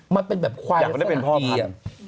มันเป็นแบบขวายสถานที่